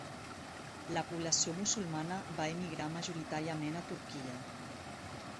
La població musulmana va emigrar majoritàriament a Turquia.